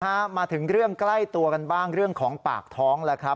มาถึงเรื่องใกล้ตัวกันบ้างเรื่องของปากท้องแล้วครับ